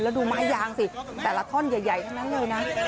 แล้วดูไม้ยางสิแต่ละท่อนใหญ่ทั้งนั้นเลยนะ